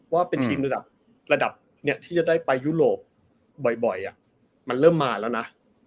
ว่าเป็นทีมระดับที่จะได้ไปยุโรปบ่อยมันเริ่มมาแล้วนะ